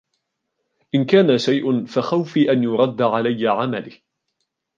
إنْ كَانَ شَيْءٌ فَخَوْفِي أَنْ يُرَدَّ عَلَيَّ عَمَلِي